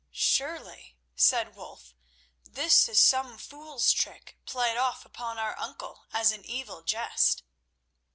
"Surely," said Wulf, "this is some fool's trick played off upon our uncle as an evil jest."